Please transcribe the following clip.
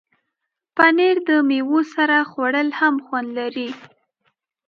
پنېر د میوو سره خوړل هم خوند لري.